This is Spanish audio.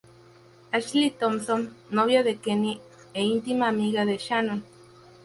Ashley Thompson: Novia de Kenny e íntima amiga de Shannon.